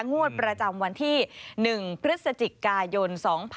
งวดประจำวันที่๑พฤศจิกายน๒๕๖๒